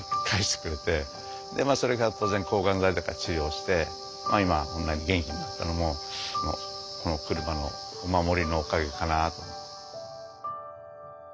それが当然抗がん剤とか治療して今こんなに元気になったのもこの車のお守りのおかげかな。